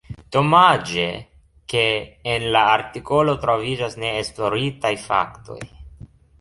Domaĝe, ke en la artikolo troviĝas neesploritaj faktoj.